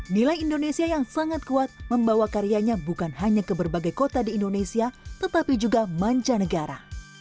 nilai indonesia yang sangat kuat membawa karyanya bukan hanya ke berbagai kota di indonesia tetapi juga mancanegara